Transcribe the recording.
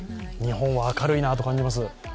日本は明るいなと感じます。